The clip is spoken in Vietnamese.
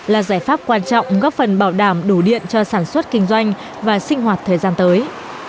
là giải pháp quan trọng góp phần bảo đảm đủ điện cho sản xuất kinh doanh và sinh hoạt thời gian tới